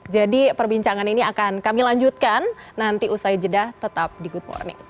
jadi perbincangan ini akan kami lanjutkan nanti usai jeda tetap di good morning